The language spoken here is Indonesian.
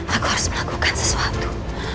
aku harus melakukan sesuatu